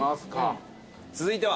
続いては？